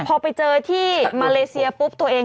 พอไปเจอที่มาเลเซียปุ๊บตัวเอง